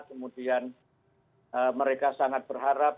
kemudian mereka sangat berharap